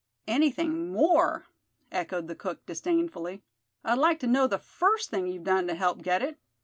"Anything more?" echoed the cook, disdainfully; "I'd like to know the first thing you've done to help get it.